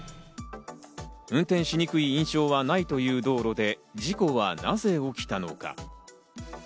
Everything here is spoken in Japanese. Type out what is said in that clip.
運転しにくい印象はないという道路で、事故はなぜ起きたのか？